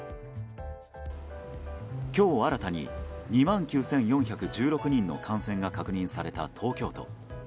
今日新たに２万９４１６人の感染が確認された東京都。